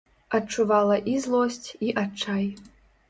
Адчувала і злосць, і адчай.